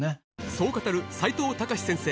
そう語る齋藤孝先生